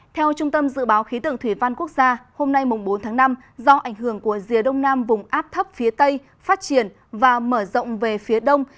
theo trung tâm dự báo khí tượng thủy văn quốc gia hôm nay bốn tháng năm do ảnh hưởng của rìa đông nam vùng áp thấp phía tây phát triển và mở rộng về phía đông